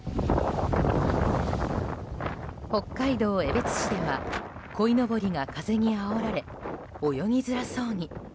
北海道江別市ではこいのぼりが風にあおられ泳ぎづらそうに。